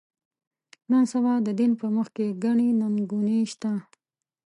نن سبا د دین په مخ کې ګڼې ننګونې شته.